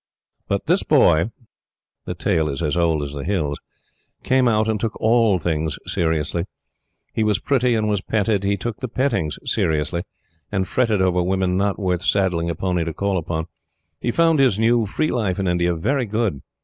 But this Boy the tale is as old as the Hills came out, and took all things seriously. He was pretty and was petted. He took the pettings seriously, and fretted over women not worth saddling a pony to call upon. He found his new free life in India very good.